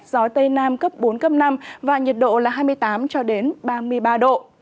gió tây nam cấp bốn năm và nhiệt độ là hai mươi tám ba mươi ba độ